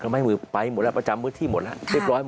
เขาให้มือไปหมดแล้วประจำมือที่หมดแล้ว